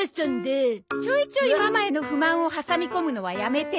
ちょいちょいママへの不満を挟み込むのはやめてね。